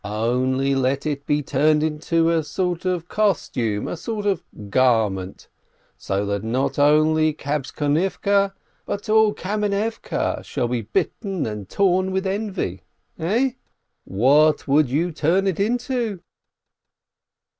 Only let it be turned into a sort of costume, a sort of garment, so that not only Kabtzonivke, but all Kamenivke, shall be bitten and torn with envy. Eh? What would you turn it into?"